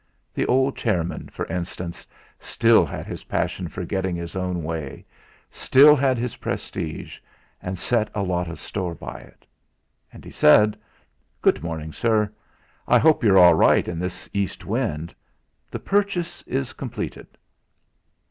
The old chairman, for instance, still had his passion for getting his own way, still had his prestige, and set a lot of store by it! And he said: "Good morning, sir; I hope you're all right in this east wind. The purchase is completed."